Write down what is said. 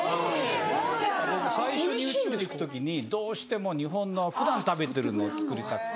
僕最初に宇宙に行く時にどうしても日本の普段食べてるのを作りたくて。